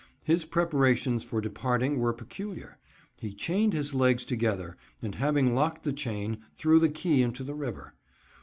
His preparations for departing were peculiar. He chained his legs together and having locked the chain, threw the key into the river.